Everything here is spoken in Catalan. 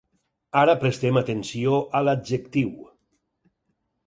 Ara prestem atenció a l'Adjectiu.